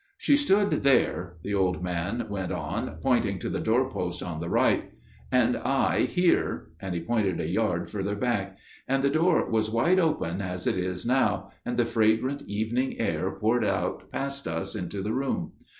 "She stood there," the old man went on, pointing to the doorpost on the right, "and I here," and he pointed a yard further back, "and the door was wide open as it is now, and the fragrant evening air poured past us into the room.